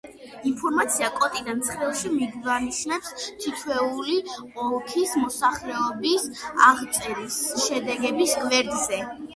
ინფორმაცია კოდიდან ცხრილში მიგვანიშნებს თითოეული ოლქის მოსახლეობის აღწერის შედეგების გვერდზე.